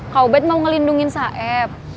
kau baik mau ngelindungin saeb